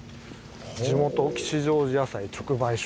「地元吉祥寺野菜直売所」。